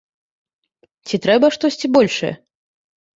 Ці трэба штосьці большае?